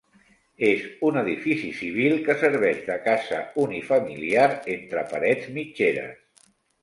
És un edifici civil que serveix de casa unifamiliar entre parets mitgeres.